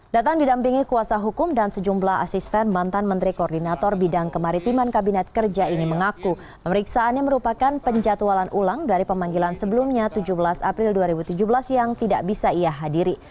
datang didampingi kuasa hukum dan sejumlah asisten mantan menteri koordinator bidang kemaritiman kabinet kerja ini mengaku pemeriksaannya merupakan penjatualan ulang dari pemanggilan sebelumnya tujuh belas april dua ribu tujuh belas yang tidak bisa ia hadiri